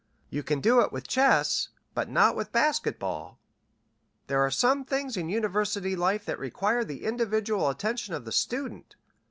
You can do it with chess, but not with basket ball. There are some things in university life that require the individual attention of the student.